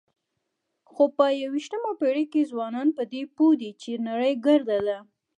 خو په یوویشتمه پېړۍ کې ځوانان په دې پوه دي چې نړۍ ګرده ده.